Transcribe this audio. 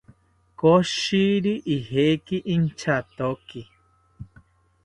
Koshiri ijeki inchatoki